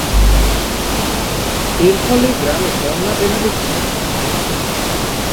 এর ফলে গ্রামে বন্যা দেখা দিচ্ছিল।